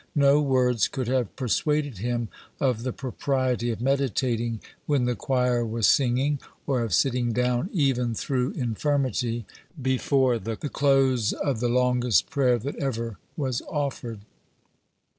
No words could have persuaded him of the propriety of meditating when the choir was singing, or of sitting down, even through infirmity, before the close of the longest prayer that ever was offered.